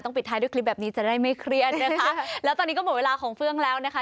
ปิดท้ายด้วยคลิปแบบนี้จะได้ไม่เครียดนะคะแล้วตอนนี้ก็หมดเวลาของเฟื่องแล้วนะคะ